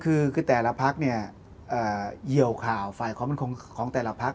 แน่นอนคือแต่ละพักเยี่ยวข่าวฝ่ายความเป็นของแต่ละพัก